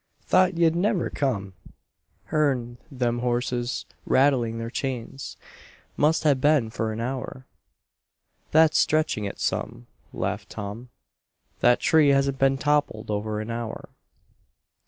"Thought ye'd never come. Hearn them horses rattling their chains, must ha' been for an hour." "That's stretching it some," laughed Tom. "That tree hasn't been toppled over an hour."